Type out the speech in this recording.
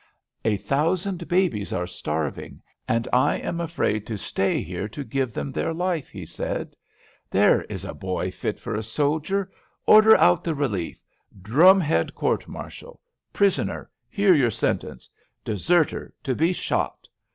"A thousand babies are starving, and I am afraid to stay here to give them their life," he said. "There is a boy fit for a soldier! Order out the relief! Drum head court martial! Prisoner, hear your sentence! Deserter, to be shot!